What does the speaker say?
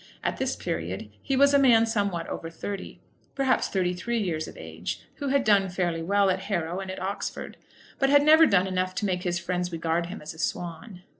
At this period he was a man somewhat over thirty, perhaps thirty three years of age, who had done fairly well at Harrow and at Oxford, but had never done enough to make his friends regard him as a swan.